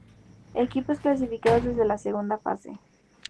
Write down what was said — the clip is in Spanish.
Equipos clasificados desde la segunda fase.